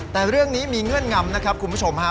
แต่เรื่องนี้มีเงื่อนงำนะครับคุณผู้ชมฮะ